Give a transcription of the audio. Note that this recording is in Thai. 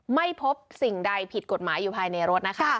ไม่พบสิ่งใดผิดกฎหมายอยู่ภายในรถนะคะ